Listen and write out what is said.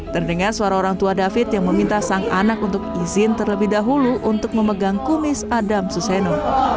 terdengar suara orang tua david yang meminta sang anak untuk izin terlebih dahulu untuk memegang kumis adam suseno